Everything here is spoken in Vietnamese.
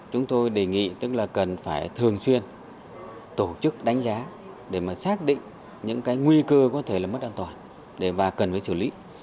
chúng tôi đề nghị tức là cần phải thường xuyên tổ chức đánh giá để mà xác định những cái nguy cơ có thể là mất an toàn và cần phải xử lý